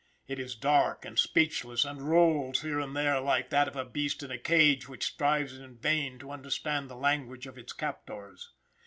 It is dark and speechless, and rolls here and there like that of a beast in a cage which strives in vain to understand the language of its captors.